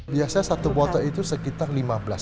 biasanya satu botol itu sekitar lima belas gram ya